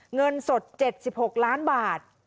เงินสด๗๖ล้านบาท